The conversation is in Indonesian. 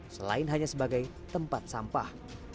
selain hanya sebagai tempat sampah